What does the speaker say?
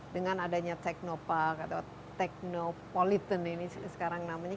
dengan adanya teknopark atau teknopolitan ini sekarang namanya